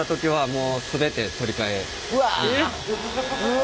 うわ。